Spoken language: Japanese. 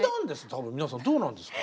多分皆さんどうなんですか？